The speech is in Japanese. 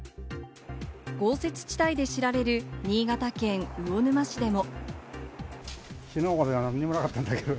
豪雪地帯で知られる新潟県魚沼市でも。